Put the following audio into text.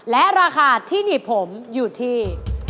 และราคาที่หนีบผมอยู่ที่